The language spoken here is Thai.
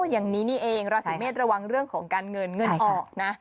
อย่างนี้นี่เองราศีเมษระวังเรื่องของการเงินเงินออกนะ